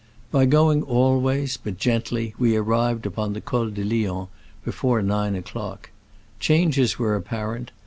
. By going always, but gently, we ar rived upon the Col du Lion before nine o'clock. Changes were apparent.